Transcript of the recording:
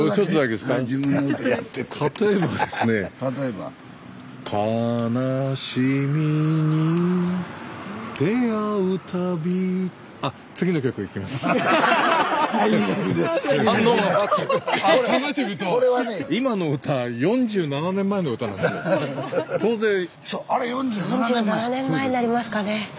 スタジオ４７年前になりますかね。